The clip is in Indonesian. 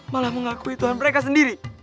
malah mengakui tuhan mereka sendiri